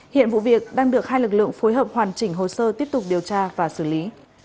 hiện vụ việc đang được hai lực lượng phối hợp hoàn chỉnh hồ sơ tiếp tục điều tra và xử lý